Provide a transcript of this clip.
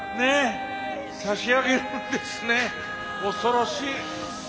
差し上げるんですね恐ろしい。